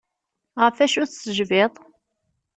Ɣef acu tessejbiḍ?